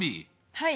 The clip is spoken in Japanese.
はい。